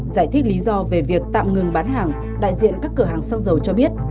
giải thích lý do về việc tạm ngừng bán hàng đại diện các cửa hàng xăng dầu cho biết